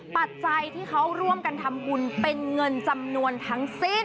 ปัจจัยที่เขาร่วมกันทำบุญเป็นเงินจำนวนทั้งสิ้น